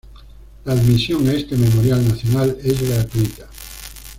La admisión a este memorial nacional es gratuita.